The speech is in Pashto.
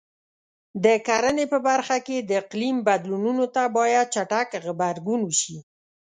د کرنې په برخه کې د اقلیم بدلونونو ته باید چټک غبرګون وشي.